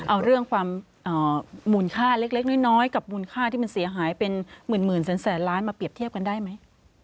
เอาเรื่องความมูลค่าเล็กน้อยกับมูลค่าที่มันเสียหายเป็นหมื่นแสนล้านมาเปรียบเทียบกันได้ไหม